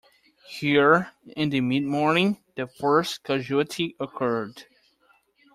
Here, in the midmorning, the first casualty occurred.